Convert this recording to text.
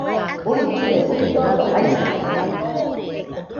uillɨe, udodo aisɨtate